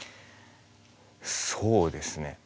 そうですね。